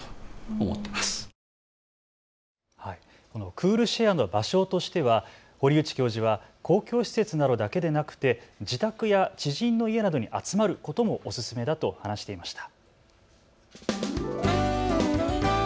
クールシェアの場所としては堀内教授は公共施設などだけではなくて自宅や知人の家などに集まることもおすすめだと話していました。